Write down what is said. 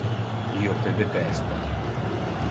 Io te detesta.